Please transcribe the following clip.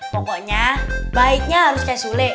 pokoknya baiknya harus kayak sule